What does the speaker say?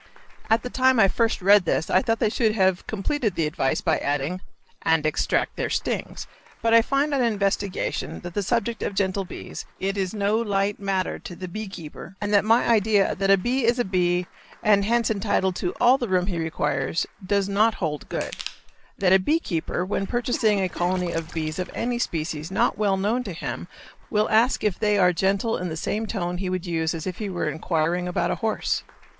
At the time I first read this I thought they should have completed the advice by adding "and extract their stings;" but I find on investigation that the subject of gentle bees, is no light matter to the bee keeper, and that my idea that "a bee is a bee and hence entitled to all the room he requires" does not hold good; that a bee keeper when purchasing a colony of bees of any species not well known to him will ask if they are gentle in the same tone he would use if he were inquiring about a horse.